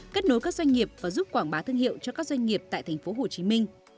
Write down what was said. kết nối các doanh nghiệp và giúp quảng bá thương hiệu cho các doanh nghiệp tại tp hcm